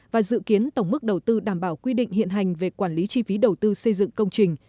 và dự kiến tổng mức đầu tư đảm bảo quy định hiện hành về quản lý chi phí đầu tư xây dựng công trình